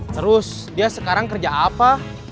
terus dia sekarang kerja apa